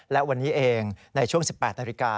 และวันนี้เองในช่วง๑๘นาฬิกา